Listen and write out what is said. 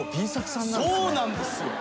そうなんですよ。